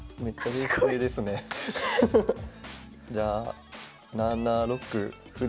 じゃあ７六歩で。